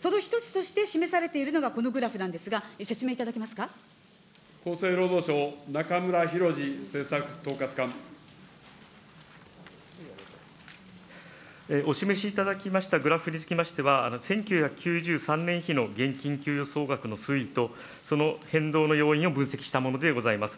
その一つとして示されているのが、このグラフなんですが、説明いた厚生労働省、お示しいただきましたグラフにつきましては、１９９３年比の現金給与総額の推移とその変動の要因を分析したものでございます。